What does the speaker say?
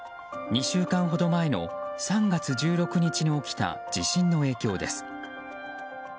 ２週間ほど前の３月１６日に起きた地震の影響です。